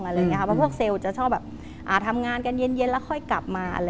เพราะพวกเซลล์จะชอบแบบทำงานกันเย็นแล้วค่อยกลับมา